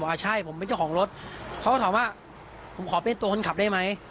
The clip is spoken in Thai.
อ่าใช่ผมเป็นเจ้าของรถเขาก็ถามว่าผมขอเป็นตัวคนขับได้ไหม